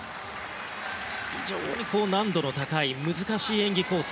非常に難度の高い難しい演技構成。